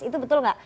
itu betul gak